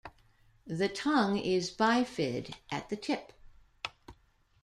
The tongue is bifid at the tip.